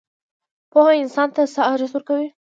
پوهه انسان ته څه ارزښت ورکوي؟